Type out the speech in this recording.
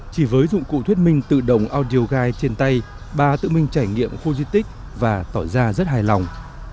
chỉ với dụng cụ thuyết minh tự động audio guide trên tay bà tự mình trải nghiệm khu di tích và tỏ ra rất hài lòng